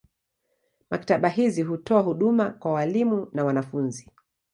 Maktaba hizi hutoa huduma kwa walimu na wanafunzi.